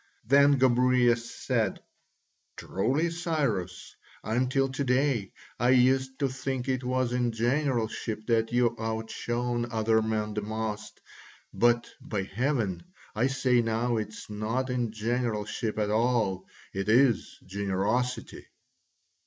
Then Gobryas said, "Truly, Cyrus, until to day I used to think it was in generalship that you outshone other men the most, but, by heaven! I say now it is not in generalship at all, it is generosity."